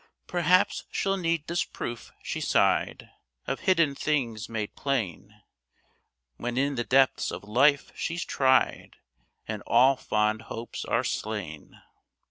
"Perhaps she'll need this proof," she sighed, "Of hidden things made plain, When in the depths of life she's tried, And all fond hopes are slain."